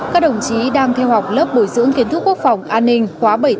các đồng chí đang theo học lớp bồi dưỡng kiến thức quốc phòng an ninh khóa bảy mươi chín